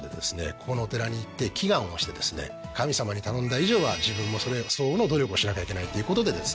ここのお寺に行って祈願をしてですね神様に頼んだ以上は自分もそれ相応の努力をしなきゃいけないっていうことでですね